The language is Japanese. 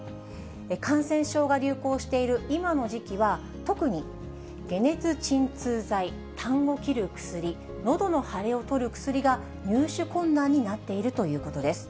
感染症が流行している今の時期は、特に解熱鎮痛剤、たんを切る薬、のどの腫れを取る薬が入手困難になっているということです。